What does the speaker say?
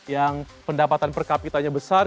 yang pendapatan per kapitanya besar